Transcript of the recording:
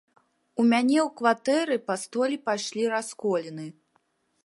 У мяне ў кватэры па столі пайшлі расколіны.